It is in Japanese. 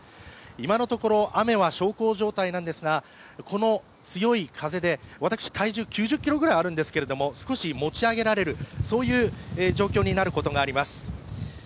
今のところ雨は小康状態なんですが、この強い風で、体重９０ｋｇぐらいあるんですが少し持ち上げられる、そういう状況になることがあります。